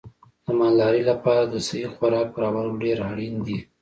د مالدارۍ لپاره د صحي خوراک برابرول ډېر اړین دي.